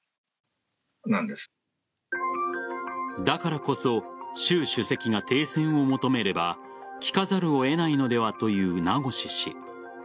だからこそ習主席が停戦を求めれば聞かざるを得ないのではという名越氏。